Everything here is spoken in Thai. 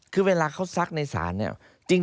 คือเวลาเขาซักในศาลเนี่ย